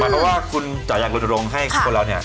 ซึ่งว่าคุณจะอยากเริ่มโดรงให้คนเราเนี่ย